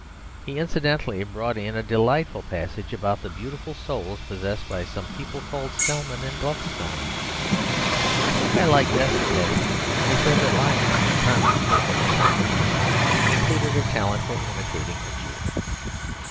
He incidentally brought in a delightful passage about the beautiful souls possessed by some people called Salmon and Gluckstein. I think I like best the passage where he said that Lyons's charming social accomplishments included a talent for "imitating a Jew."